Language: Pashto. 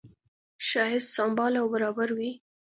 ښایست سمبال او برابر وي.